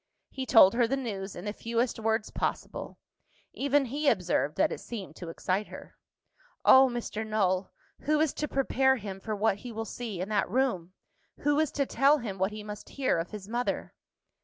He told her the news, in the fewest words possible. Even he observed that it seemed to excite her. "Oh, Mr. Null! who is to prepare him for what he will see in that room? Who is to tell him what he must hear of his mother?"